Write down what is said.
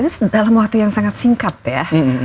ini dalam waktu yang sangat singkat ya